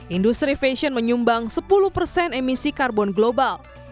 industri fashion menyumbang sepuluh persen emisi karbon global